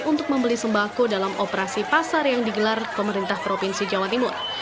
untuk membeli sembako dalam operasi pasar yang digelar pemerintah provinsi jawa timur